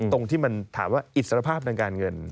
ตรงที่มันถามว่าอิสรภาพทางการเงิน